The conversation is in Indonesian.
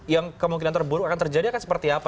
yang kemungkinan terburuk akan terjadi akan seperti apa